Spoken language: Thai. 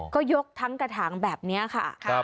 ก็ยกทั้งกระถางแบบนี้ค่ะ